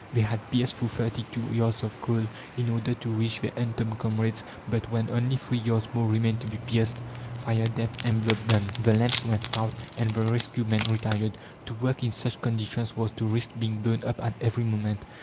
They had pierced through thirty two yards of coal in order to reach their entombed comrades; but when only three yards more remained to be pierced, fire damp enveloped them. The lamps went out, and the rescue men retired. To work in such conditions was to risk being blown up at every moment.